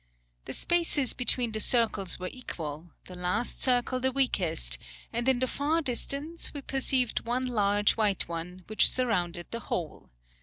The spaces between the circles were equal, the last circle the weakest, and in the far distance, we perceived one large white one, which surrounded the whole.